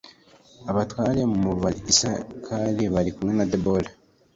abatware mu ba isakari bari kumwe na debora